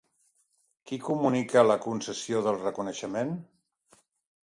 Qui comunica la concessió del reconeixement?